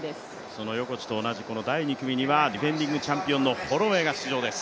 その横地と同じ第２組にはディフェンディングチャンピオンのホロウェイが出場です。